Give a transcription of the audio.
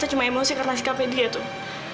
saya cuma emosi karena sikapnya dia tuh